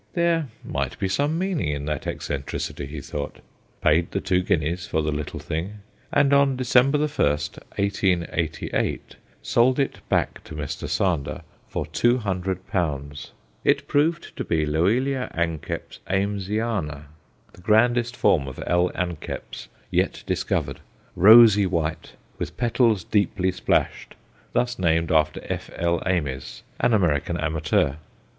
There might be some meaning in that eccentricity, he thought, paid two guineas for the little thing, and on December 1, 1888, sold it back to Mr. Sander for 200l. It proved to be L. a. Amesiana, the grandest form of L. anceps yet discovered rosy white, with petals deeply splashed; thus named after F.L. Ames, an American amateur.